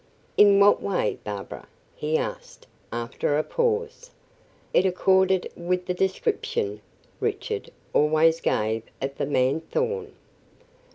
"In what way, Barbara?" he asked, after a pause. "It accorded with the description Richard always gave of the man Thorn."